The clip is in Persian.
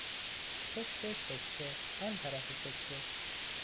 پشت سکه، آن طرف سکه